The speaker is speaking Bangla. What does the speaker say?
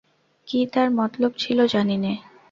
কী তার মতলব ছিল জানি নে।